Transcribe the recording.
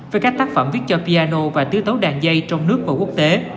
với các tác phẩm viết cho piano và tứ tấu đàn dây trong nước và quốc tế